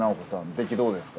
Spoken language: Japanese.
出来どうですか？